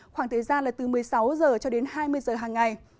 khoảng thời gian là từ một mươi sáu giờ cho đến hai mươi giờ hàng ngày